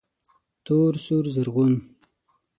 تور، سور، رزغون